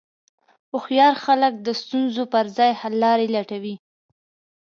هوښیار خلک د ستونزو پر ځای حللارې لټوي.